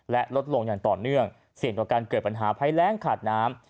และลดลงอย่างต่อเนื่องเสี่ยงต่อการเกิดปัญหาภัยแรงขาดน้ำ